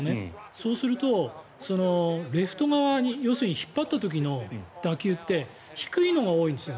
そうすると、レフト側に要するに引っ張った時の打球って低いのが多いんですよ